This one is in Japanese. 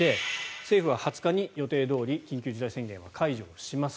政府は２０日に予定どおり緊急事態宣言を解除します。